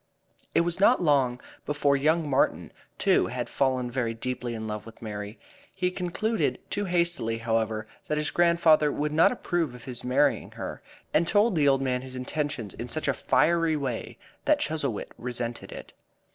It was not long before young Martin, too, had fallen very deeply in love with Mary. He concluded too hastily, however, that his grandfather would not approve of his marrying her, and told the old man his intentions in such a fiery way that Chuzzlewit resented it.